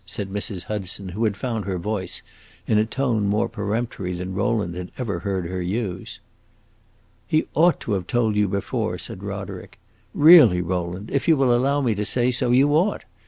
said Mrs. Hudson, who had found her voice, in a tone more peremptory than Rowland had ever heard her use. "He ought to have told you before," said Roderick. "Really, Rowland, if you will allow me to say so, you ought!